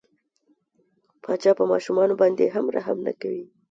پاچا په ماشومان باندې هم رحم نه کوي.